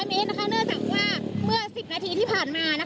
เนื่องจากว่าเมื่อ๑๐นาทีที่ผ่านมา